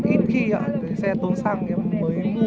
ít khi ạ xe tốn xăng mới mua đó